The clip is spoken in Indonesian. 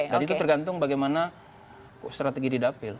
dan itu tergantung bagaimana strategi di dapil